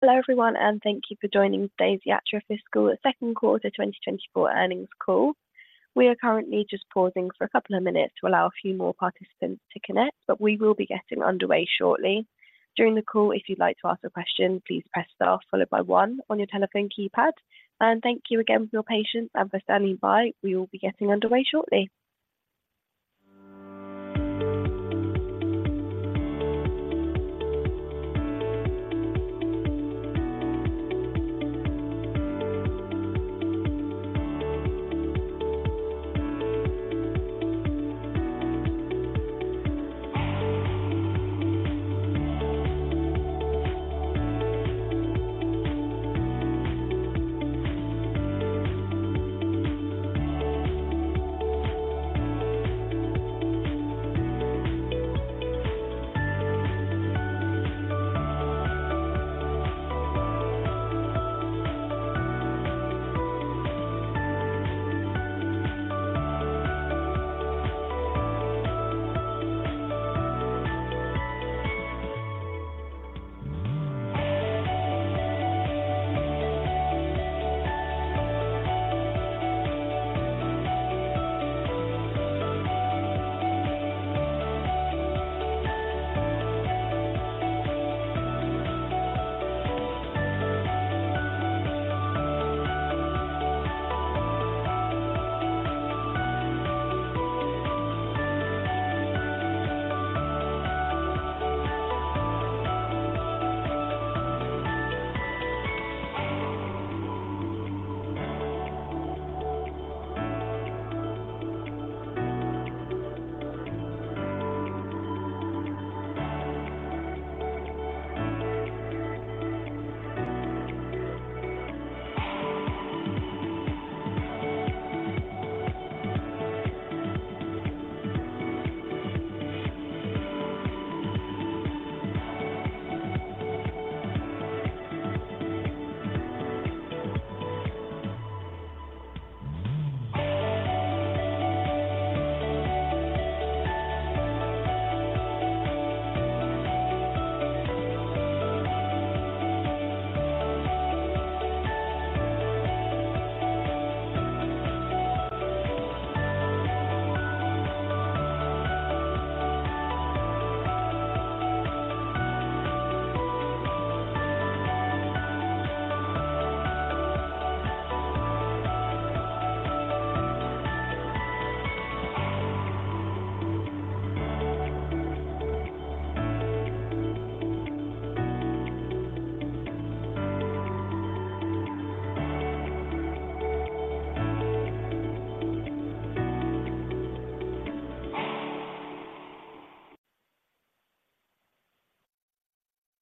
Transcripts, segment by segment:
Hello, everyone, and thank you for joining today's Yatra Fiscal Second Quarter 2024 Earnings Call. We are currently just pausing for a couple of minutes to allow a few more participants to connect, but we will be getting underway shortly. During the call, if you'd like to ask a question, please press star followed by one on your telephone keypad. Thank you again for your patience and for standing by. We will be getting underway shortly.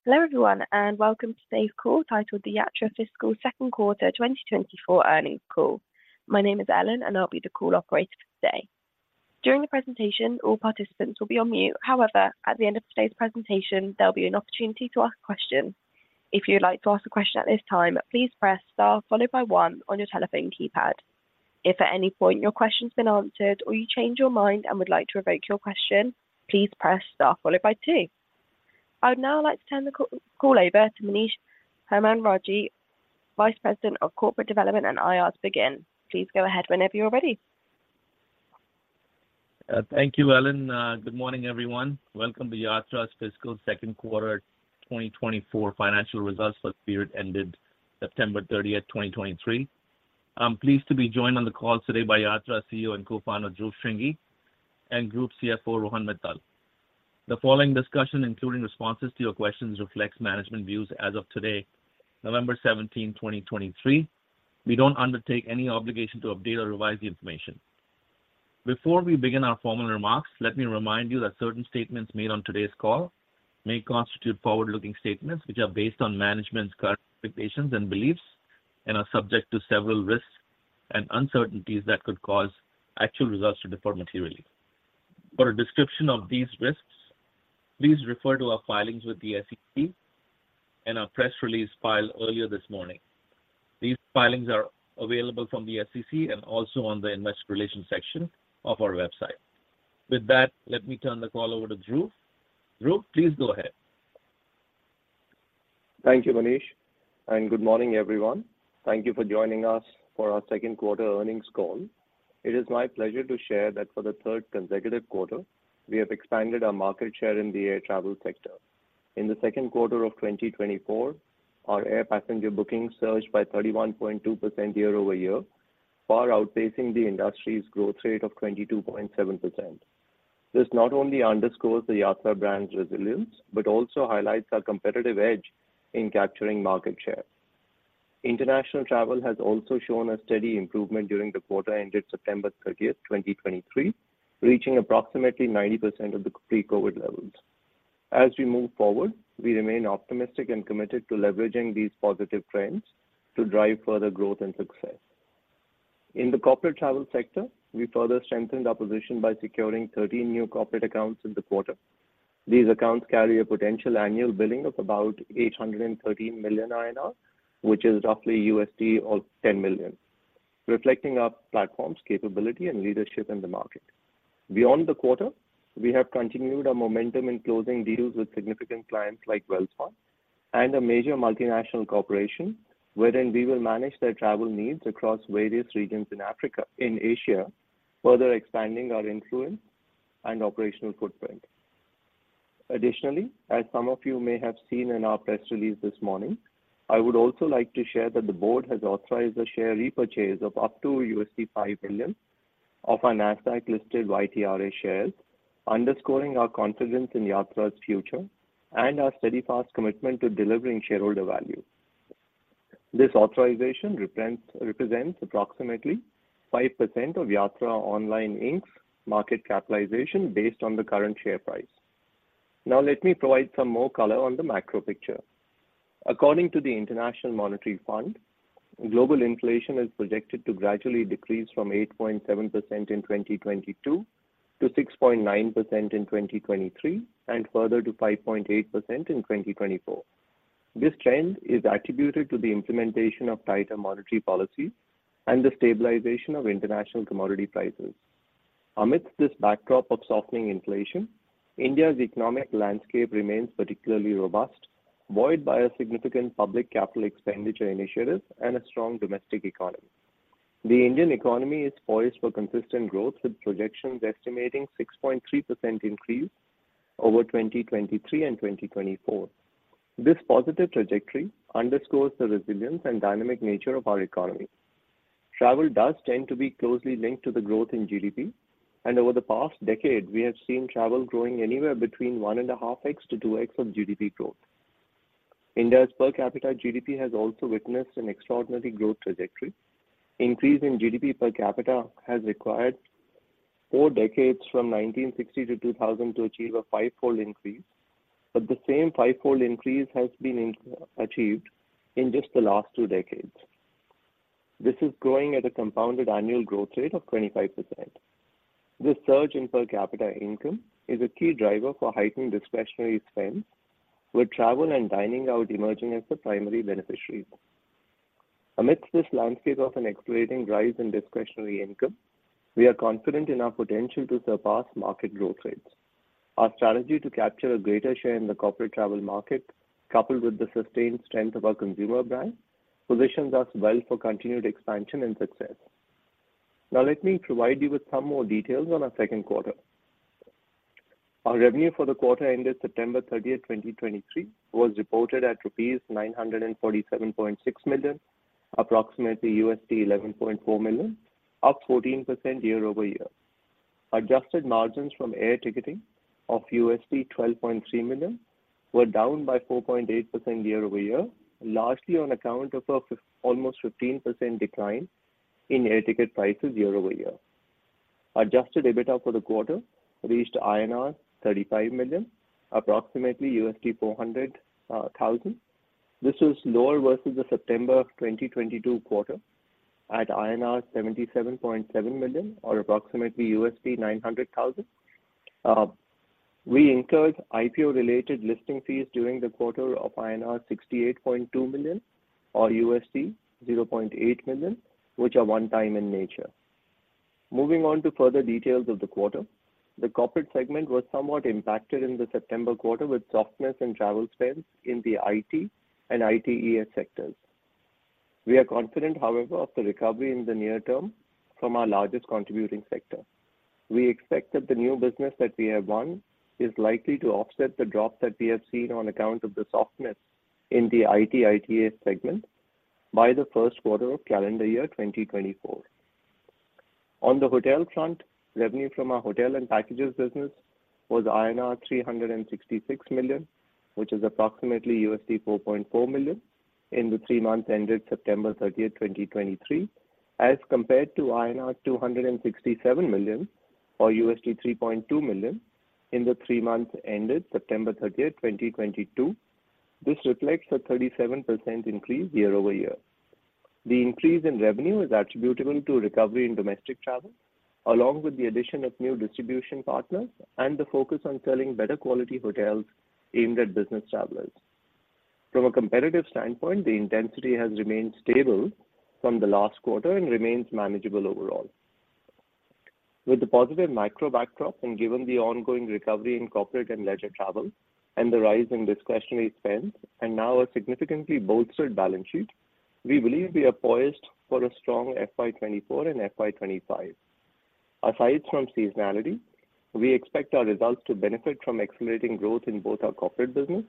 Hello, everyone, and welcome to today's call titled: The Yatra Fiscal Second Quarter 2024 Earnings Call. My name is Ellen, and I'll be the call operator for today. During the presentation, all participants will be on mute. However, at the end of today's presentation, there'll be an opportunity to ask a question. If you'd like to ask a question at this time, please press star followed by one on your telephone keypad. If at any point your question's been answered or you change your mind and would like to revoke your question, please press star followed by two. I would now like to turn the call over to Manish Hemrajani, Vice President of Corporate Development and IR to begin. Please go ahead whenever you're ready. Thank you, Ellen. Good morning, everyone. Welcome to Yatra's Fiscal Second Quarter 2024 Financial Results for the period ended September 30, 2023. I'm pleased to be joined on the call today by Yatra CEO and Co-founder, Dhruv Shringi, and Group CFO, Rohan Mittal. The following discussion, including responses to your questions, reflects management views as of today, November 17, 2023. We don't undertake any obligation to update or revise the information. Before we begin our formal remarks, let me remind you that certain statements made on today's call may constitute forward-looking statements, which are based on management's current expectations and beliefs and are subject to several risks and uncertainties that could cause actual results to differ materially. For a description of these risks, please refer to our filings with the SEC and our press release filed earlier this morning. These filings are available from the SEC and also on the Investor Relations section of our website. With that, let me turn the call over to Dhruv. Dhruv, please go ahead. Thank you, Manish, and good morning, everyone. Thank you for joining us for our second quarter earnings call. It is my pleasure to share that for the third consecutive quarter, we have expanded our market share in the air travel sector. In the second quarter of 2024, our Air Passenger Bookings surged by 31.2% year-over-year, far outpacing the industry's growth rate of 22.7%. This not only underscores the Yatra brand's resilience but also highlights our competitive edge in capturing market share. International travel has also shown a steady improvement during the quarter ended September 30, 2023, reaching approximately 90% of the pre-COVID levels. As we move forward, we remain optimistic and committed to leveraging these positive trends to drive further growth and success. In the corporate travel sector, we further strengthened our position by securing 13 new corporate accounts in the quarter. These accounts carry a potential annual billing of about 813 million INR, which is roughly $10 million.... reflecting our platform's capability and leadership in the market. Beyond the quarter, we have continued our momentum in closing deals with significant clients like Wells Fargo and a major multinational corporation, wherein we will manage their travel needs across various regions in Africa, in Asia, further expanding our influence and operational footprint. Additionally, as some of you may have seen in our press release this morning, I would also like to share that the board has authorized a share repurchase of up to $5 million of our NASDAQ-listed YTRA shares, underscoring our confidence in Yatra's future and our steadfast commitment to delivering shareholder value. This authorization represents approximately 5% of Yatra Online, Inc.'s market capitalization based on the current share price. Now, let me provide some more color on the macro picture. According to the International Monetary Fund, global inflation is projected to gradually decrease from 8.7% in 2022 to 6.9% in 2023, and further to 5.8% in 2024. This trend is attributed to the implementation of tighter monetary policies and the stabilization of international commodity prices. Amidst this backdrop of softening inflation, India's economic landscape remains particularly robust, buoyed by a significant public capital expenditure initiatives and a strong domestic economy. The Indian economy is poised for consistent growth, with projections estimating 6.3% increase over 2023 and 2024. This positive trajectory underscores the resilience and dynamic nature of our economy. Travel does tend to be closely linked to the growth in GDP, and over the past decade, we have seen travel growing anywhere between 1.5x-2x of GDP growth. India's per capita GDP has also witnessed an extraordinary growth trajectory. Increase in GDP per capita has required four decades, from 1960 to 2000, to achieve a fivefold increase, but the same fivefold increase has been achieved in just the last two decades. This is growing at a compounded annual growth rate of 25%. This surge in per capita income is a key driver for heightened discretionary spend, with travel and dining out emerging as the primary beneficiaries. Amidst this landscape of an escalating rise in discretionary income, we are confident in our potential to surpass market growth rates. Our strategy to capture a greater share in the corporate travel market, coupled with the sustained strength of our consumer brand, positions us well for continued expansion and success. Now, let me provide you with some more details on our second quarter. Our revenue for the quarter ended September 30, 2023, was reported at rupees 947.6 million, approximately $11.4 million, up 14% year-over-year. Adjusted margins from air ticketing of $12.3 million were down by 4.8% year-over-year, largely on account of almost 15% decline in air ticket prices year-over-year. Adjusted EBITDA for the quarter reached INR 35 million, approximately $400,000. This was lower versus the September 2022 quarter at INR 77.7 million, or approximately $900,000. We incurred IPO-related listing fees during the quarter of INR 68.2 million, or $0.8 million, which are one-time in nature. Moving on to further details of the quarter. The corporate segment was somewhat impacted in the September quarter, with softness in travel spends in the IT and ITeS sectors. We are confident, however, of the recovery in the near term from our largest contributing sector. We expect that the new business that we have won is likely to offset the drop that we have seen on account of the softness in the IT, ITeS segment by the first quarter of calendar year 2024. On the hotel front, revenue from our hotel and packages business was INR 366 million, which is approximately $4.4 million, in the three months ended September 30, 2023, as compared to INR 267 million, or $3.2 million, in the three months ended September 30, 2022. This reflects a 37% increase year-over-year. The increase in revenue is attributable to recovery in domestic travel, along with the addition of new distribution partners and the focus on selling better quality hotels aimed at business travelers. From a competitive standpoint, the intensity has remained stable from the last quarter and remains manageable overall. With the positive macro backdrop, and given the ongoing recovery in corporate and leisure travel and the rise in discretionary spend, and now a significantly bolstered balance sheet, we believe we are poised for a strong FY 2024 and FY 2025. Aside from seasonality, we expect our results to benefit from accelerating growth in both our corporate business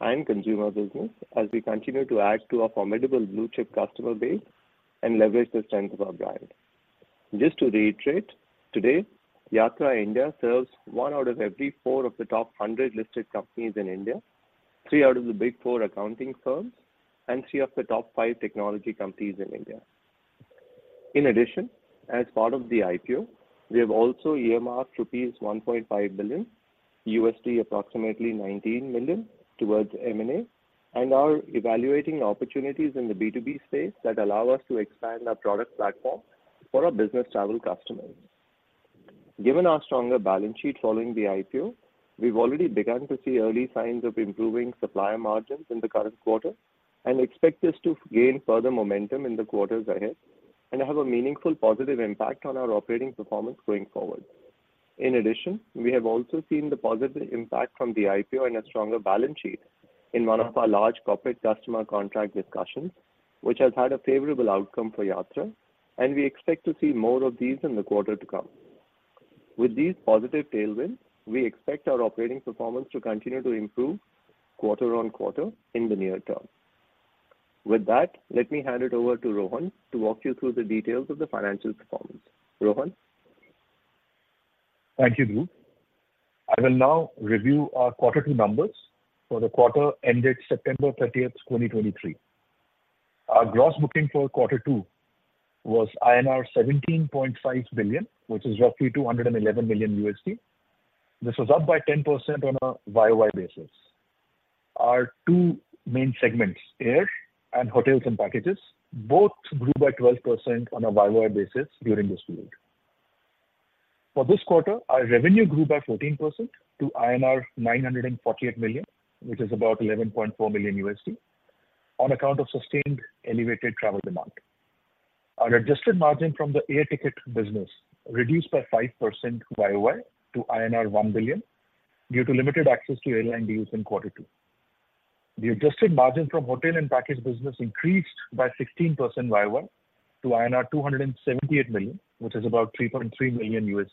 and consumer business as we continue to add to our formidable blue-chip customer base and leverage the strength of our brand. Just to reiterate, today, Yatra India serves one out of every four of the top 100 listed companies in India, three out of the Big Four accounting firms, and three of the top five technology companies in India. In addition, as part of the IPO, we have also earmarked rupees 1.5 billion, approximately $19 million, towards M&A, and are evaluating opportunities in the B2B space that allow us to expand our product platform for our business travel customers. Given our stronger balance sheet following the IPO, we've already begun to see early signs of improving supplier margins in the current quarter and expect this to gain further momentum in the quarters ahead, and have a meaningful positive impact on our operating performance going forward. In addition, we have also seen the positive impact from the IPO and a stronger balance sheet in one of our large corporate customer contract discussions, which has had a favorable outcome for Yatra, and we expect to see more of these in the quarter to come. With these positive tailwinds, we expect our operating performance to continue to improve quarter-on-quarter in the near term. With that, let me hand it over to Rohan to walk you through the details of the financial performance. Rohan? Thank you, Dhruv. I will now review our quarterly numbers for the quarter ended September 30, 2023. Our gross booking for quarter two was INR 17.5 billion, which is roughly $211 million. This was up by 10% on a YoY basis. Our two main segments, air and hotels and packages, both grew by 12% on a YoY basis during this period. For this quarter, our revenue grew by 14% to INR 948 million, which is about $11.4 million, on account of sustained elevated travel demand. Our adjusted margin from the air ticket business reduced by 5% YoY to INR 1 billion, due to limited access to airline deals in quarter two. The adjusted margin from hotel and package business increased by 16% YoY to INR 278 million, which is about $3.3 million.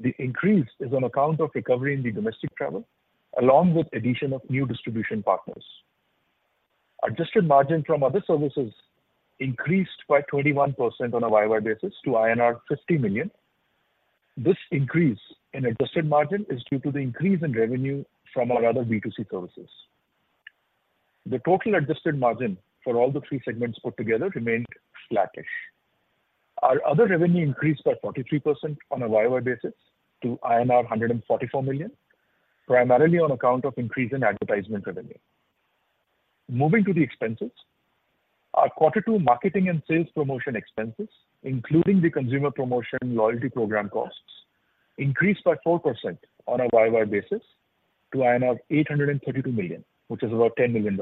The increase is on account of recovery in the domestic travel, along with addition of new distribution partners. Adjusted margin from other services increased by 21% on a YoY basis to INR 50 million. This increase in adjusted margin is due to the increase in revenue from our other B2C services. The total adjusted margin for all the three segments put together remained flattish. Our other revenue increased by 43% on a YoY basis to INR 144 million, primarily on account of increase in advertisement revenue. Moving to the expenses, our quarter two marketing and sales promotion expenses, including the consumer promotion loyalty program costs, increased by 4% on a YoY basis to INR 832 million, which is about $10 million.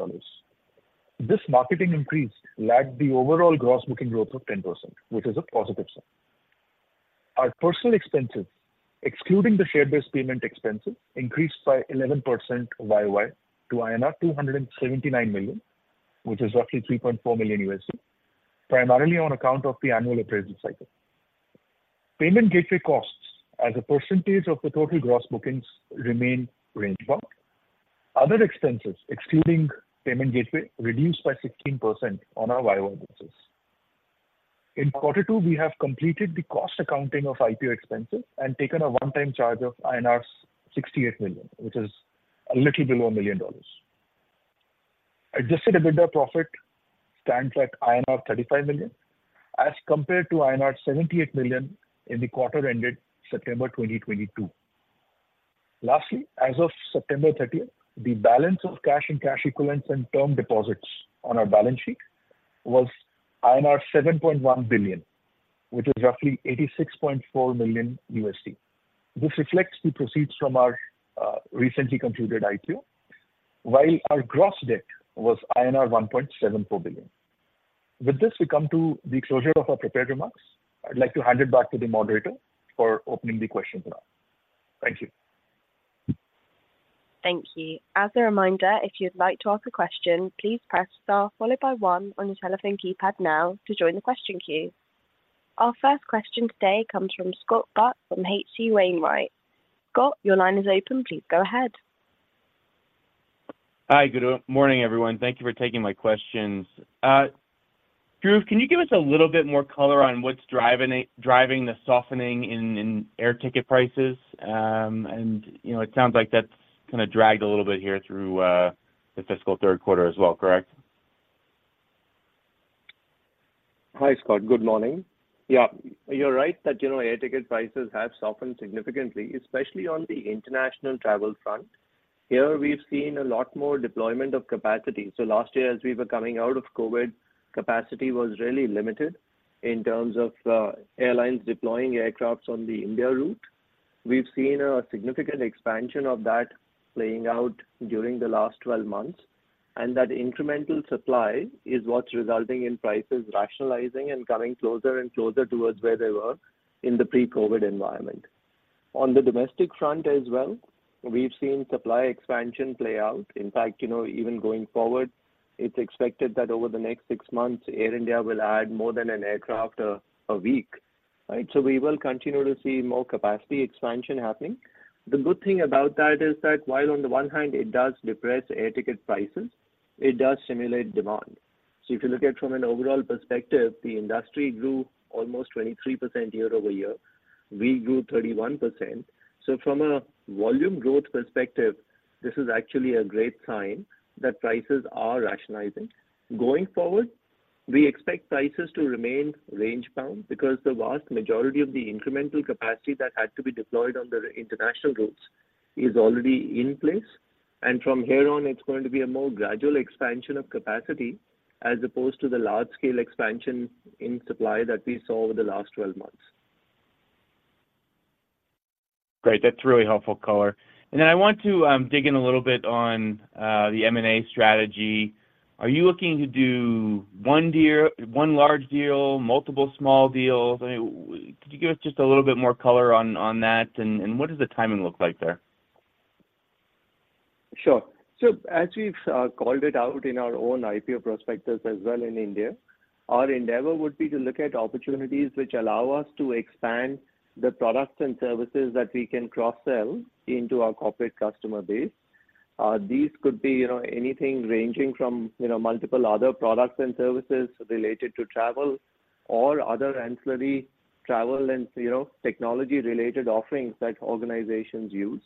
This marketing increase lagged the overall gross booking growth of 10%, which is a positive sign. Our personnel expenses, excluding the share-based payment expenses, increased by 11% YoY to INR 279 million, which is roughly $3.4 million, primarily on account of the annual appraisal cycle. Payment gateway costs as a percentage of the total gross bookings remain range-bound. Other expenses, excluding payment gateway, reduced by 16% on our YoY basis. In quarter two, we have completed the cost accounting of IPO expenses and taken a one-time charge of 68 million, which is a little below $1 million. Adjusted EBITDA profit stands at INR 35 million, as compared to INR 78 million in the quarter ended September 2022. Lastly, as of September 30th, the balance of cash and cash equivalents and term deposits on our balance sheet was INR 7.1 billion, which is roughly $86.4 million. This reflects the proceeds from our recently concluded IPO, while our gross debt was INR 1.74 billion. With this, we come to the closure of our prepared remarks. I'd like to hand it back to the moderator for opening the questions now. Thank you. Thank you. As a reminder, if you'd like to ask a question, please press star followed by one on your telephone keypad now to join the question queue. Our first question today comes from Scott Buck from H.C. Wainwright. Scott, your line is open. Please go ahead. Hi. Good morning, everyone. Thank you for taking my questions. Dhruv, can you give us a little bit more color on what's driving the softening in air ticket prices? And, you know, it sounds like that's kind of dragged a little bit here through the fiscal third quarter as well, correct? Hi, Scott. Good morning. Yeah, you're right that generally air ticket prices have softened significantly, especially on the international travel front. Here, we've seen a lot more deployment of capacity. So last year, as we were coming out of COVID, capacity was really limited in terms of airlines deploying aircraft on the India route. We've seen a significant expansion of that playing out during the last 12 months, and that incremental supply is what's resulting in prices rationalizing and coming closer and closer towards where they were in the pre-COVID environment. On the domestic front as well, we've seen supply expansion play out. In fact, you know, even going forward, it's expected that over the next six months, Air India will add more than an aircraft a week, right? So we will continue to see more capacity expansion happening. The good thing about that is that while on the one hand it does depress air ticket prices, it does stimulate demand. So if you look at from an overall perspective, the industry grew almost 23% year-over-year. We grew 31%. So from a volume growth perspective, this is actually a great sign that prices are rationalizing. Going forward, we expect prices to remain range-bound because the vast majority of the incremental capacity that had to be deployed on the international routes is already in place, and from here on, it's going to be a more gradual expansion of capacity, as opposed to the large-scale expansion in supply that we saw over the last 12 months. Great. That's really helpful color. And then I want to dig in a little bit on the M&A strategy. Are you looking to do one large deal, multiple small deals? I mean, could you give us just a little bit more color on that, and what does the timing look like there? Sure. So as we've called it out in our own IPO prospectus as well in India, our endeavor would be to look at opportunities which allow us to expand the products and services that we can cross-sell into our corporate customer base. These could be, you know, anything ranging from, you know, multiple other products and services related to travel or other ancillary travel and, you know, technology-related offerings that organizations use.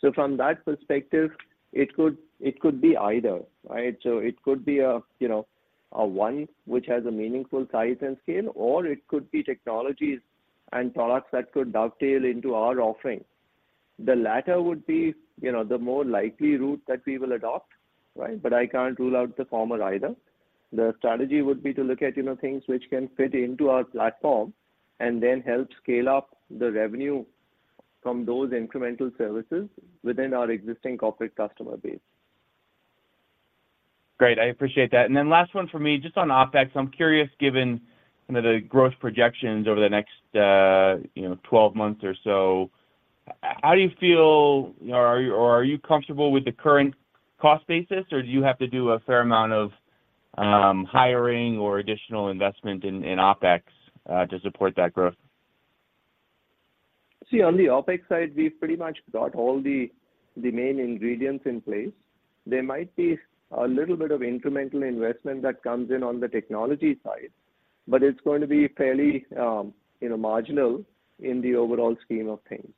So from that perspective, it could, it could be either, right? So it could be a, you know, a one which has a meaningful size and scale, or it could be technologies and products that could dovetail into our offerings. The latter would be, you know, the more likely route that we will adopt, right? But I can't rule out the former either. The strategy would be to look at, you know, things which can fit into our platform and then help scale up the revenue from those incremental services within our existing corporate customer base. Great, I appreciate that. And then last one for me, just on OpEx. I'm curious, given some of the growth projections over the next, you know, 12 months or so, how do you feel, or, or are you comfortable with the current cost basis, or do you have to do a fair amount of, hiring or additional investment in, in OpEx, to support that growth? See, on the OpEx side, we've pretty much got all the main ingredients in place. There might be a little bit of incremental investment that comes in on the technology side, but it's going to be fairly, you know, marginal in the overall scheme of things.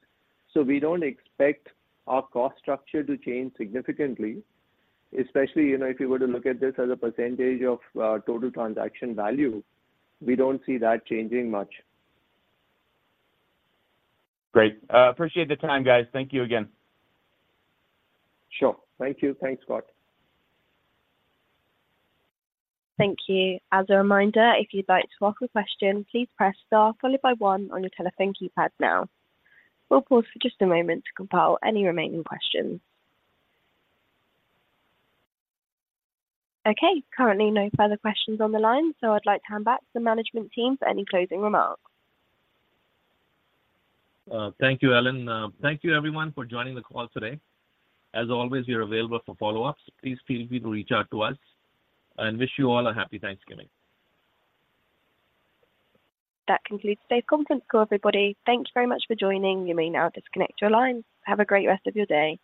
So we don't expect our cost structure to change significantly, especially, you know, if you were to look at this as a percentage of total transaction value, we don't see that changing much. Great. Appreciate the time, guys. Thank you again. Sure. Thank you. Thanks, Scott. Thank you. As a reminder, if you'd like to ask a question, please press star followed by one on your telephone keypad now. We'll pause for just a moment to compile any remaining questions. Okay, currently no further questions on the line, so I'd like to hand back to the management team for any closing remarks. Thank you, Ellen. Thank you, everyone, for joining the call today. As always, we are available for follow-ups. Please feel free to reach out to us, and wish you all a happy Thanksgiving. That concludes today's conference call, everybody. Thank you very much for joining. You may now disconnect your line. Have a great rest of your day.